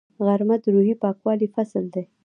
غرمه د روحي پاکوالي فصل دی